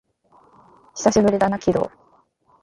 久しぶりだな、鬼道